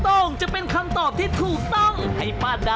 โอ้จะเป็นลำนั่นโอ๊ยตอนนั้นสุด